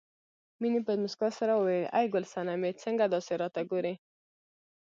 مينې په مسکا سره وویل ای ګل سنمې څنګه داسې راته ګورې